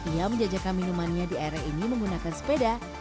ia menjajakan minumannya di area ini menggunakan sepeda